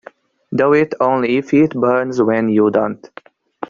Do it only if it burns when you don't.